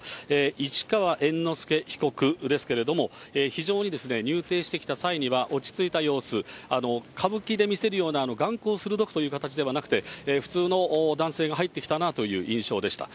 市川猿之助被告ですけれども、非常にですね、入廷してきた際には落ち着いた様子、歌舞伎で見せるような眼光鋭くという形ではなく、普通の男性が入ってきたなという印象でした。